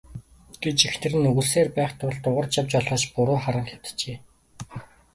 гэж эхнэр нь үглэсээр байх тул Дугаржав жолооч буруу харан хэвтжээ.